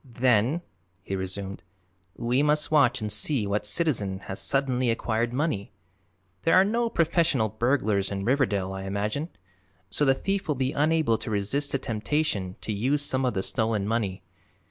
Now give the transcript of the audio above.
"Then," he resumed, "we must watch and see what citizen has suddenly acquired money. There are no professional burglars in Riverdale, I imagine, so the thief will be unable to resist the temptation to use some of the stolen money.